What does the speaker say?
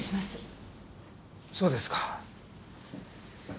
そうですか。